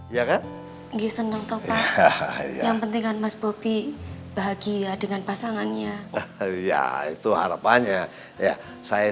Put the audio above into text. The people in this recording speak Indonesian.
iya kan seneng yang pentingkan mas popi bahagia dengan pasangannya ya itu harapannya ya saya